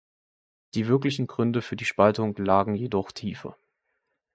Die wirklichen Gründe für die Spaltung lagen jedoch tiefer.